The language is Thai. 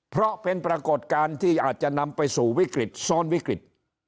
เพราะเป็นปรากฏการณ์ที่อาจจะนำไปสู่วิกฤตซ้อนวิกฤต